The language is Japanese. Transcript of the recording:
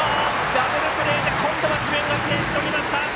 ダブルプレーで今度は智弁学園、しのぎました！